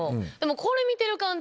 これ見てる感じ